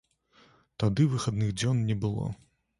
Тады выхадных дзён не было.